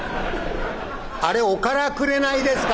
「あれ『おからくれない』ですか？